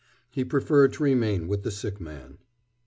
He preferred to remain with the sick man.